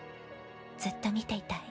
ずっと見ていたい。